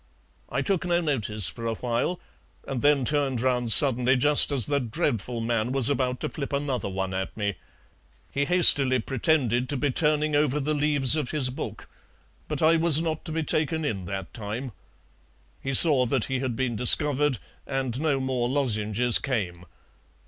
I took no notice for awhile, and then turned round suddenly just as the dreadful man was about to flip another one at me. He hastily pretended to be turning over the leaves of his book, but I was not to be taken in that time. He saw that he had been discovered and no more lozenges came.